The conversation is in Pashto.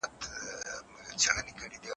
په پښتو کې فاعل مخکې له مفعوله راځي.